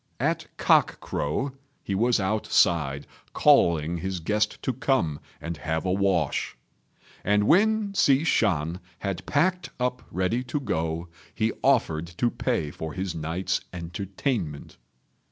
At cock crow he was outside, calling his guest to come and have a wash; and when Hsi Shan had packed up ready to go, he offered to pay for his night's entertainment.